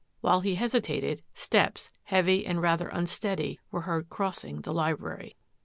While he hesitated, steps, heavy and rather unsteady, were heard cross ing the library.